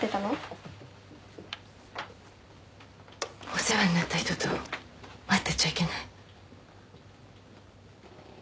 お世話になった人と会ってちゃいけない？